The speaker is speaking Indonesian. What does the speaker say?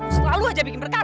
selalu aja bikin perkara